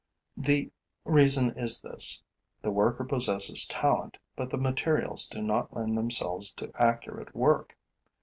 The reason is this: the worker possesses talent, but the materials do not lend themselves to accurate work.